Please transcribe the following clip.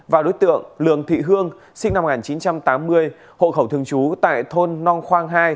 và đối tượng lường thị hương sinh năm một nghìn chín trăm tám mươi hộ khẩu thường trú tại thôn nong khoang hai